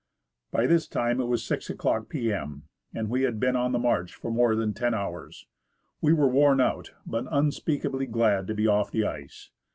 By this time it was 6 o'clock p.m., and we had been on the march for more than ten hours. We were worn out, but unspeak ably glad to be off the ice.